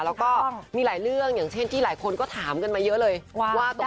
แล้วก็มีหลายเรื่องอย่างเช่นที่หลายคนก็ถามกันมาเยอะเลยว่า